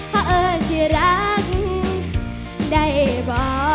เพราะเอิญที่รักได้บ่